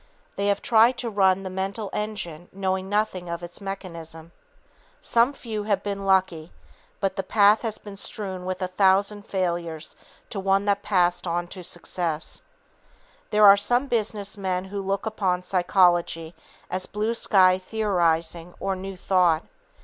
They have tried to run the mental engine knowing nothing of its mechanism. [Sidenote: Business Luck and "Blue Sky" Theories] Some few have been lucky, but the path has been strewn with a thousand failures to one that passed on to success. There are some business men who look upon psychology as "blue sky" theorizing or "new thought."